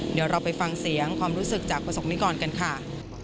เดี๋ยวเราไปฟังเสียงความรู้สึกจากประสบนิกรกันค่ะ